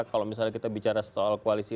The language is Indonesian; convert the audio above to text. kalau misalnya kita bicara soal koalisi